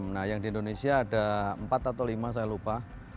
nah yang di indonesia ada empat atau lima saya lupa